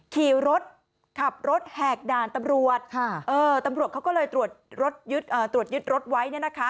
ขี่รถขับรถแหกด่านตำรวจตำรวจเขาก็เลยตรวจยึดรถไว้เนี่ยนะคะ